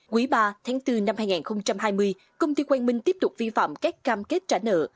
quý ba tháng bốn năm hai nghìn hai mươi công ty quang minh tiếp tục vi phạm các cam kết trả nợ